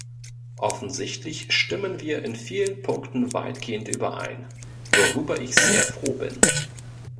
Offensichtlich stimmen wir in vielen Punkten weitgehend überein, worüber ich sehr froh bin.